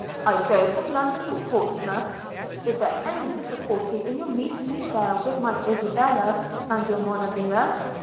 – I go from London to Portsmouth – Is there any difficulty in your meeting me there with my Isabella and your Monimia?